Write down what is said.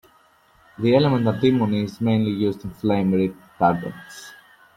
The element antimony is mainly used in flame retardants.